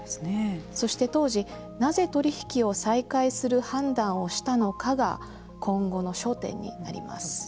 そして当時なぜ取引を再開する判断をしたのかが今後の焦点になります。